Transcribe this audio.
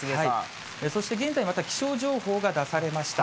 そして現在また、気象情報が出されました。